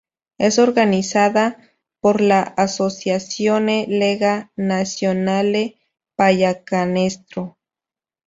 Es organizada por la "Associazione Lega Nazionale Pallacanestro".